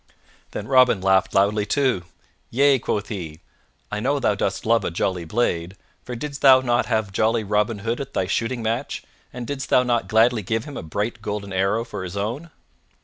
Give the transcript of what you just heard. Then Robin laughed loudly too. "Yea," quoth he, "I know thou dost love a jolly blade, for didst thou not have jolly Robin Hood at thy shooting match and didst thou not gladly give him a bright golden arrow for his own?"